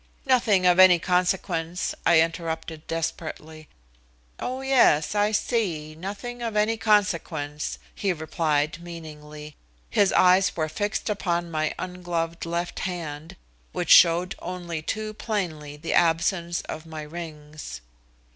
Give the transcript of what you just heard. "Nothing of any consequence," I interrupted desperately. "Oh, yes, I see, nothing of any consequence," he replied meaningly. His eyes were fixed upon my ungloved left hand, which showed only too plainly the absence of my rings.